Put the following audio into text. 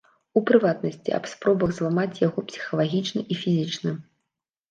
У прыватнасці, аб спробах зламаць яго псіхалагічна і фізічна.